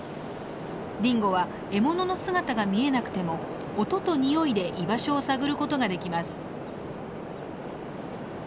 ディンゴは獲物の姿が見えなくても音と匂いで居場所を探る事ができます。